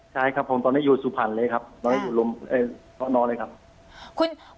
ใช่ครับผมตอนนี้อยู่สุพรรณเลยครับเราอยู่ลมพ่อนอนเลยครับ